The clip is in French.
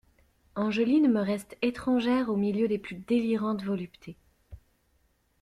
Angeline me reste étrangère au milieu des plus délirantes voluptés.